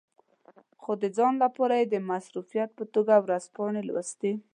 خو د ځان لپاره یې د مصروفیت په توګه ورځپاڼې لوستې.